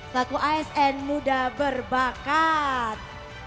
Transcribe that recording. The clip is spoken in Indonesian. selaku asn muda berbakat